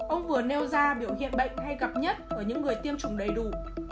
ông vừa nêu ra biểu hiện bệnh hay gặp nhất ở những người tiêm chủng đầy đủ